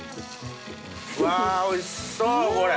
うわおいしそうこれ！